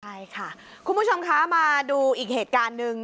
ใช่ค่ะคุณผู้ชมคะมาดูอีกเหตุการณ์หนึ่ง